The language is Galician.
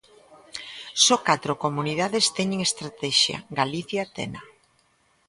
Só catro comunidades teñen estratexia, Galicia tena.